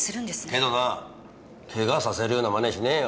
けどなケガさせるようなマネしねえよ。